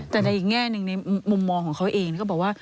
แต่ในอีกแง่หนึ่งในมุมมองของเขาเองก็บอกว่า